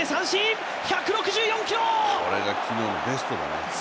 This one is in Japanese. これが昨日、ベストだね。